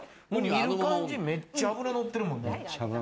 見る感じ、めっちゃ脂のってるもんな。